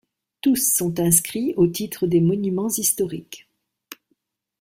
Tous sont inscrits au titre des monuments historiques.